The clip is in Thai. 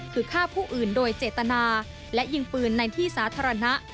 คือฆ่าผู้อื่นโดยเจตนาและยิงปืนในที่สาธารณะ